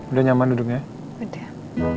udah nyaman duduknya udah